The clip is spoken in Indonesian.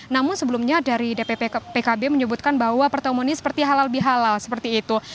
namun sebelumnya dari dpp pkb menyebutkan bahwa pertemuan ini seperti halal bihalal seperti itu